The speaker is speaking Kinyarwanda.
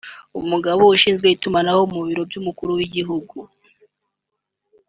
umugore ushinzwe itumanaho mu Biro by’Umukuru w’Igihugu